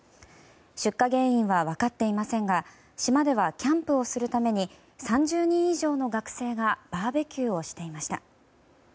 出火原因は分かっていませんが島では、キャンプをするために３０人以上の学生がバーベキューをしていました。